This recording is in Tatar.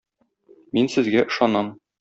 Мин сезгә ышанам.